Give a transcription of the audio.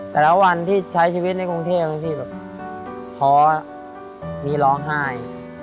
แต่ละวันที่ใช้ชีวิตในกรุงเทพบางทีแบบท้อมีร้องไห้